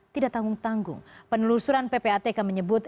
tidak tanggung tanggung penelusuran ppatk menyebut